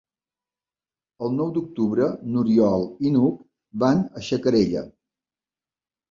El nou d'octubre n'Oriol i n'Hug van a Xacarella.